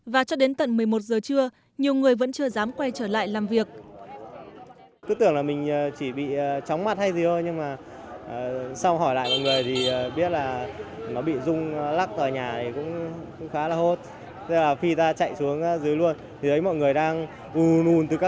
và cho đến tận một mươi một giờ trưa nhiều người vẫn chưa dám quay trở lại làm việc